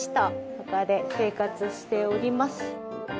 ここで生活しております。